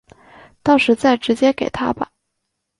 到时再直接给他吧